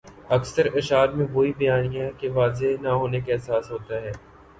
اکثر اشعار میں وہی بیانیہ کے واضح نہ ہونے کا احساس ہوتا ہے۔